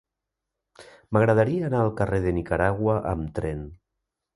M'agradaria anar al carrer de Nicaragua amb tren.